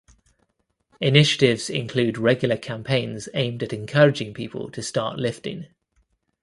Initiatives include regular campaigns aimed at encouraging people to start lifting.